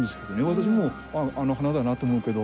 私も「あっあの花だな」と思うけど。